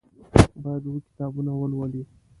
باید اووه کتابونه ولولي.